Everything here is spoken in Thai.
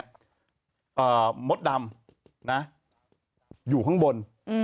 อ่ามดดำนะอยู่ข้างบน